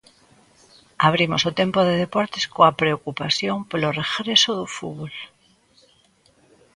Abrimos o tempo de deportes coa preocupación polo regreso do fútbol.